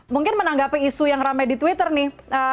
mungkin menanggapi isu yang rame di twitter nih